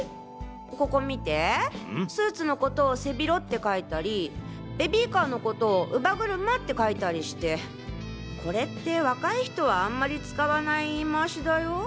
ここ見てスーツのことを背広って書いたりベビーカーのことを乳母車って書いたりしてこれって若い人はあんまり使わない言い回しだよ。